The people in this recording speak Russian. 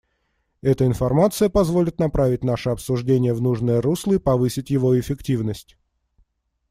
Эта информация позволит направить наше обсуждение в нужное русло и повысить его эффективность.